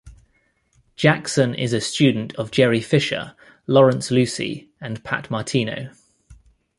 Jackson is a student of Jerry Fisher, Lawrence Lucie, and Pat Martino.